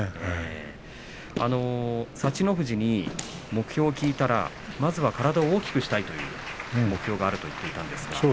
富士に目標を聞いたらまずは体を大きくしたいという目標があると言っていました。